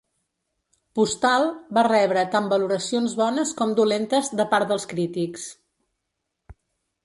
"Postal" va rebre tant valoracions bones com dolentes de part dels crítics.